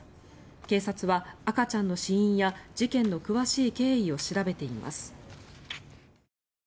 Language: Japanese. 警察は赤ちゃんの死因や事件の詳しい経緯を調べています。